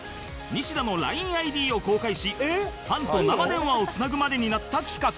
ニシダの ＬＩＮＥＩＤ を公開しファンと生電話をつなぐまでになった企画